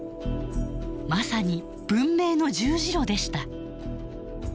まさに文明の十字路でした。